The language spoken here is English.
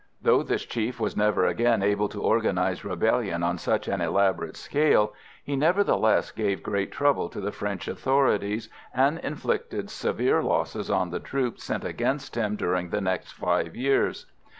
Though this chief was never again able to organise rebellion on such an elaborate scale, he nevertheless gave great trouble to the French authorities, and inflicted severe losses on the troops sent against him during the next five years.